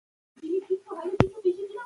کار د اقتصادي تولید اساسي عنصر دی.